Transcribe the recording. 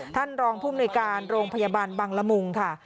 ท่านรองภูมิหน่วยการโรงพยาบาลบังละมุงค่ะ